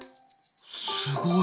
すごい。